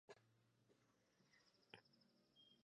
Su carrera de entrenador no fue tan brillante como la deportiva.